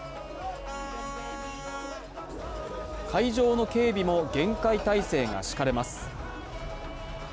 会場の警備も厳戒態勢が敷かれます。